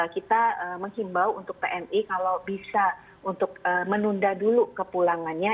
kita menghimbau untuk pmi kalau bisa untuk menunda dulu ke pulangannya